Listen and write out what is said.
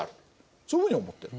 そういうふうに思ってる。